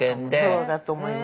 そうだと思います。